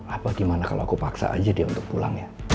apa gimana kalau aku paksa aja dia untuk pulang ya